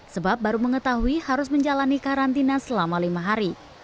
sebab baru mengetahui harus menjalani karantina selama lima hari